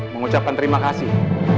mengucapkan terima kasih